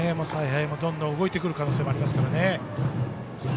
采配もどんどん動いてくる可能性もありますからね。